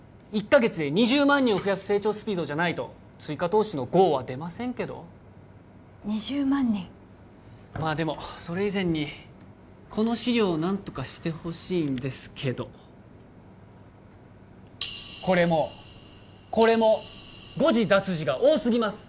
１カ月で２０万人を増やす成長スピードじゃないと追加投資のゴーは出ませんけど２０万人まあでもそれ以前にこの資料何とかしてほしいんですけどこれもこれも誤字脱字が多すぎます